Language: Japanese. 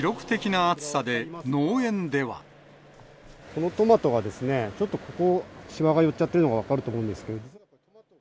このトマトがですね、ちょっとここ、しわが寄っちゃってるのが分かると思うんですけど。